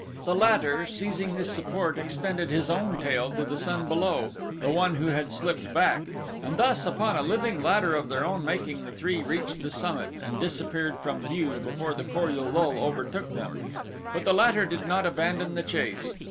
The latter, seizing this support, extended his own tail to the son below the one who had slipped back and thus, upon a living ladder of their own making, the three reached the summit and disappeared from view before the Kor ul lul overtook them. But the latter did not abandon the chase.